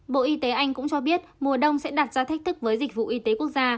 bộ y tế anh cũng cho biết mùa đông sẽ đặt ra thách thức với dịch vụ y tế quốc gia